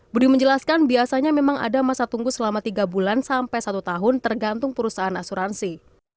budi menjelaskan biasanya memang ada masa tunggu selama tiga bulan sampai satu tahun tergantung perusahaan asuransi